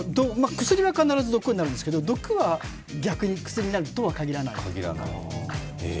薬は必ず毒になるんですけれども、毒は逆に薬になるとは限らない。